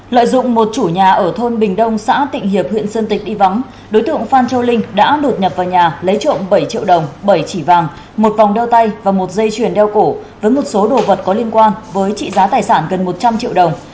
lợi dụng một chủ nhà ở thôn bình đông xã tịnh hiệp huyện sơn tịnh đi vắng đối tượng phan châu linh đã đột nhập vào nhà lấy trộm bảy triệu đồng bảy chỉ vàng một vòng đeo tay và một dây chuyền đeo cổ với một số đồ vật có liên quan với trị giá tài sản gần một trăm linh triệu đồng